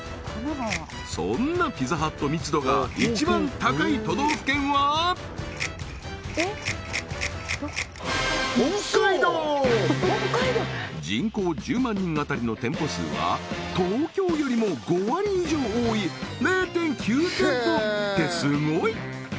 そんなピザハット密度が一番高い都道府県は人口１０万人当たりの店舗数は東京よりも５割以上多い０．９店舗ってすごい！